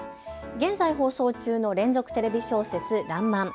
現在放送中の連続テレビ小説らんまん。